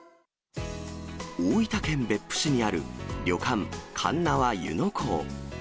大分県別府市にある旅館、かんなわゆの香。